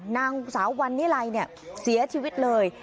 นางสาววันนิลัยเสียชีวิตเลย